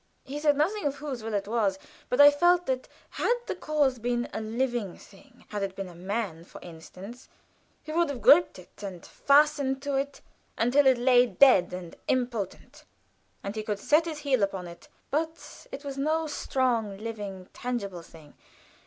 He said nothing of whose will it was; but I felt that had that cause been a living thing had it been a man, for instance, he would have gripped it and fastened to it until it lay dead and impotent, and he could set his heel upon it. But it was no strong, living, tangible thing.